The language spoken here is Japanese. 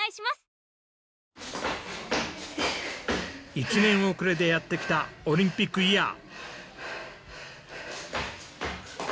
１年遅れでやってきたオリンピックイヤー。